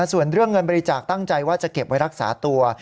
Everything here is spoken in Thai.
ส่วนเรื่องเงินบริจาคตั้งใจว่าจะเก็บไว้รักษาตัว